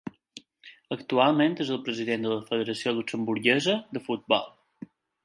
Actualment és el President de la Federació Luxemburguesa de Futbol.